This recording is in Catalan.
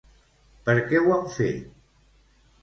Per què ho han fet?